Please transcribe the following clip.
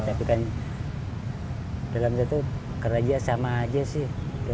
tapi kan dalam satu kerajaan sama aja sih